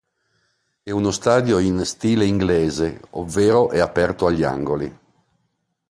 È uno stadio in "stile inglese", ovvero è aperto agli angoli.